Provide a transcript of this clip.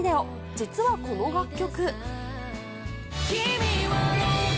実はこの楽曲。